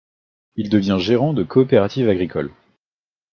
Il devient gérant de coopérative agricole.